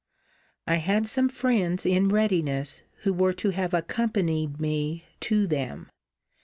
I had some friends in readiness, who were to have accompanied me to them.